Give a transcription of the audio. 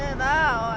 おい。